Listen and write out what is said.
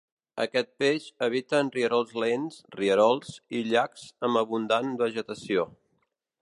Aquest peix habita en rierols lents, rierols, i llacs amb abundant vegetació.